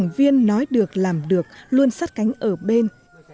các đảng viên nói được làm được luôn sắt cánh ở bên